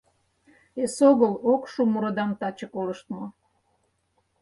Эсогыл ок шу мурыдам таче колыштмо.